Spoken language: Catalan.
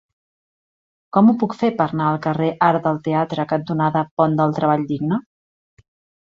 Com ho puc fer per anar al carrer Arc del Teatre cantonada Pont del Treball Digne?